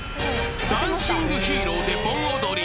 「ダンシング・ヒーロー」で盆踊り